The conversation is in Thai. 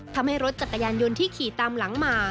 ทำให้รถจักรยานยนต์ที่ขี่ตามหลังมา